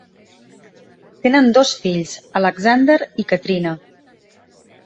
Tenen dos fills, Alexander i Katrina.